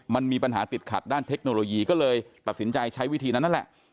มันมีปัญหาติดขัดด้านเทคโนโลยีก็เลยตัดสินใจใช้วิธีนั้นนั่นแหละ